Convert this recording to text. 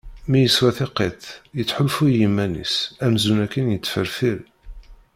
Mi yeswa tiqit yettḥulfu i yiman-is amzun akken yettferfir.